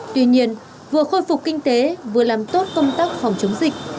tuy nhiên vừa khôi phục kinh tế vừa làm tốt công tác phòng chống dịch